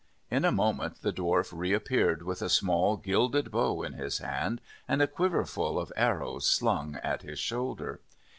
In a moment the Dwarf reappeared with a small, gilded bow in his hand and a quiverful of arrows slung at his shoulder.